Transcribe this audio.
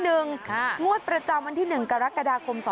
งวดประจำวันที่๑กรกฎาคม๒๕๖